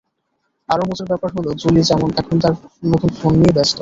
আরও মজার ব্যাপার হলো, জোলি যেমন এখন তাঁর নতুন ছবি নিয়ে ব্যস্ত।